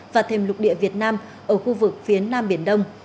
và thêm lục địa việt nam ở khu vực phía nam biển đông